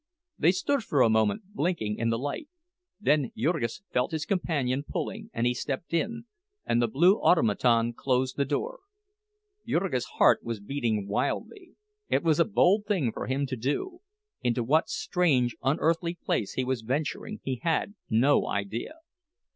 They stood for a moment blinking in the light. Then Jurgis felt his companion pulling, and he stepped in, and the blue automaton closed the door. Jurgis's heart was beating wildly; it was a bold thing for him to do—into what strange unearthly place he was venturing he had no idea.